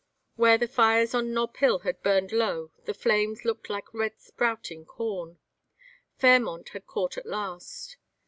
Where the fires on Nob Hill had burned low the flames looked like red sprouting corn. Fairmont had caught at last.